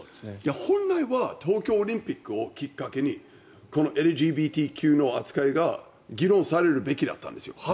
本来は東京オリンピックをきっかけにこのＬＧＢＴＱの扱いが議論されるはずだったんです。